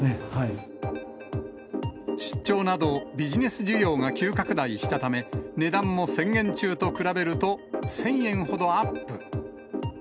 出張など、ビジネス需要が急拡大したため、値段も宣言中と比べると１０００円ほどアップ。